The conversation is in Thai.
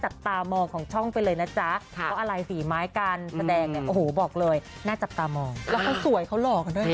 จากตามองของช่องไปเลยนะจ๊ะก็อะไรฝีไม้การแสดงมมโหบอกเลยน่าจะตามองสวยเขาหล่อ